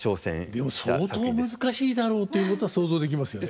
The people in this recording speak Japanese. でも相当難しいだろうということは想像できますよね。